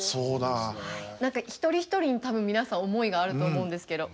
何か一人一人に多分皆さん思いがあると思うんですけど。